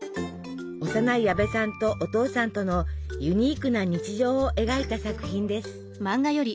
幼い矢部さんとお父さんとのユニークな日常を描いた作品です。